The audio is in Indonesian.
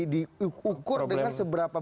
diukur dengan seberapa